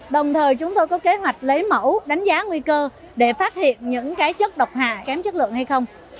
đồng thời chúng tôi có kế hoạch lấy mẫu đánh giá nguy cơ để phát hiện những chất độc hại kém chất lượng hay không